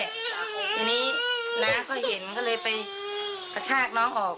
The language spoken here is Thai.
อันนี้นาเค้าเห็นมันก็เลยไปชากน้องออก